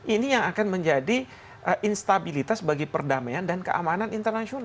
ini yang akan menjadi instabilitas bagi perdamaian dan keamanan internasional